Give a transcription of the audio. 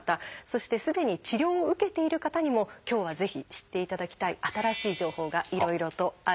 そしてすでに治療を受けている方にも今日はぜひ知っていただきたい新しい情報がいろいろとあるんです。